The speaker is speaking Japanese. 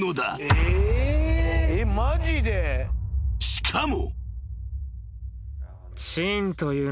［しかも］